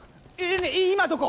い今どこ！？